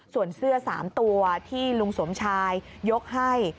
ส่วนเสื้อ๓ตัวที่ลุงสมชายยกให้